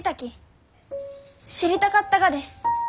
知りたかったがです。